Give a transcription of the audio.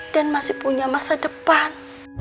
dan masih punya masa depan